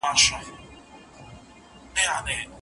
وچ شومه، مات شومه، لرگی شوم بيا راونه خاندې